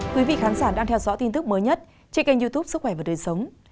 quý vị khán giả đang theo dõi tin tức mới nhất trên kênh youtube sức khỏe và đời sống